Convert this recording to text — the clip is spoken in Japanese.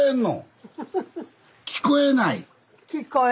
聞こえない？